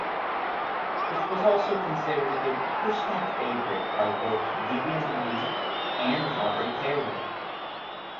It was also considered a personal favorite by both Vivien Leigh and Robert Taylor.